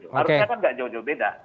harusnya kan nggak jauh jauh beda